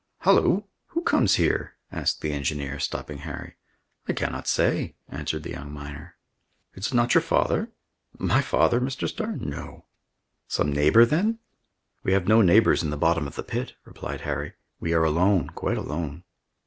"Halloo! who comes here?" asked the engineer, stopping Harry. "I cannot say," answered the young miner. "Is it not your father?" "My father, Mr. Starr? no." "Some neighbor, then?" "We have no neighbors in the bottom of the pit," replied Harry. "We are alone, quite alone."